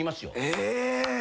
え！